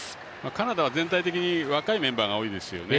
カナダは全体的に若いメンバーが多いですよね。